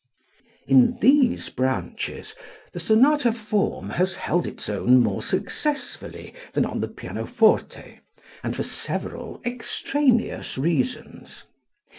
In these branches the sonata form has held its own more successfully than on the pianoforte, and for several extraneous reasons.